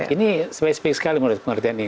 ini space base sekali menurut pengertian ini